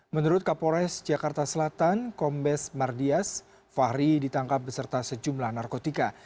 menurut kapolres jakarta selatan kombes mardias fahri ditangkap beserta sejumlah narkotika